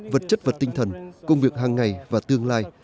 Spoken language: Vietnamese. vật chất và tinh thần công việc hàng ngày và tương lai